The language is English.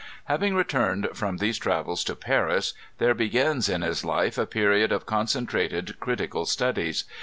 Having returned from these travels to Paris, there begins in bis life a period of concentrated critical studies.